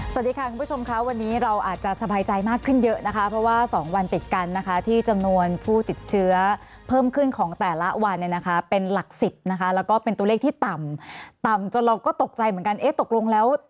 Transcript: สวัสดีค่ะคุณผู้ชมค่ะวันนี้เราอาจจะสบายใจมากขึ้นเยอะนะคะเพราะว่าสองวันติดกันนะคะที่จำนวนผู้ติดเชื้อเพิ่มขึ้นของแต่ละวันเนี่ยนะคะเป็นหลักสิบนะคะแล้วก็เป็นตัวเลขที่ต่ำต่ำจนเราก็ตกใจเหมือนกันเอ๊ะตกลงแล้ว